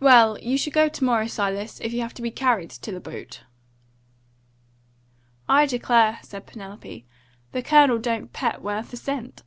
"Well, you shall go to morrow, Silas, if you have to be carried to the boat." "I declare," said Penelope, "the Colonel don't pet worth a cent."